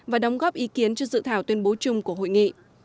và đóng góp ý kiến cho dự thảo tuyên bố chung của hội nghị